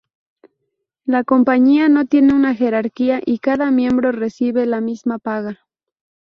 La compañía no tiene una jerarquía y cada miembro recibe la misma paga.